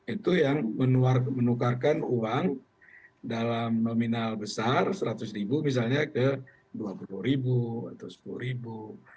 itu yang menukarkan uang dalam nominal besar seratus ribu misalnya ke dua puluh ribu atau sepuluh ribu